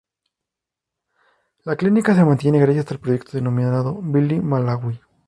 La clínica se mantiene gracias al proyecto denominado "Billy Malawi".